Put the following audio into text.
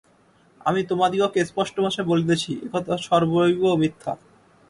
আমি তোমাদিগকে স্পষ্ট ভাষায় বলিতেছি, এ-কথা সর্বৈব মিথ্যা।